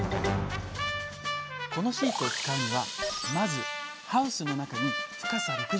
このシートを使うにはまずハウスの中に深さ６０ｃｍの溝を掘ります。